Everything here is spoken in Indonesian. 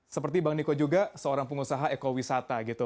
seperti bang niko juga seorang pengusaha ekowisata gitu